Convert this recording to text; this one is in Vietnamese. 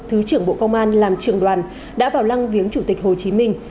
thứ trưởng bộ công an làm trường đoàn đã vào lăng viếng chủ tịch hồ chí minh